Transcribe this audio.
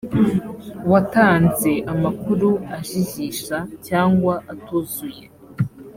watanze amakuru ajijisha cyangwa atuzuye